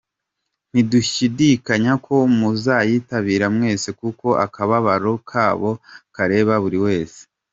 Ntidushidikanya ko muzayitabira mwese kuko akababaro kabo kareba buli wese.